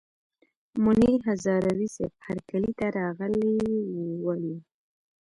منیر هزاروي صیب هرکلي ته راغلي ول.